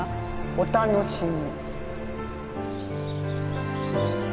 お楽しみ。